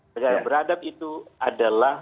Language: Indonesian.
negara beradab itu adalah